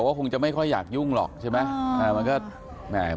ก็คงจะไม่ค่อยอยากยุ่งหรอกใช่ไหม